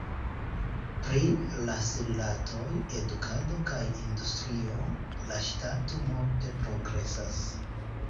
Pri ras-rilatoj, edukado kaj industrio, la ŝtato multe progresas.